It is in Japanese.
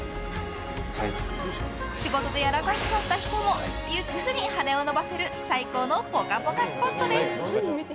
仕事でやらかしちゃった人もゆっくり羽を伸ばせる最高のぽかぽかスポットです。